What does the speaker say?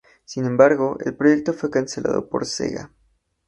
Sin embargo, el proyecto fue cancelado por Sega.